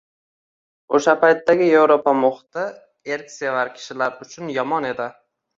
o‘sha paytdagi Yevropa muhiti erksevar kishilar uchun yomon edi.